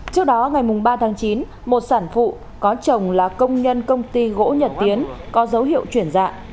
trước đó ngày ba tháng chín một sản phụ có chồng là công nhân công ty gỗ nhật tiến có dấu hiệu chuyển dạ